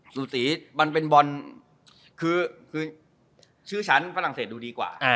สูสีมันเป็นบอลคือชื่อชั้นฝรั่งเศสดูดีกว่า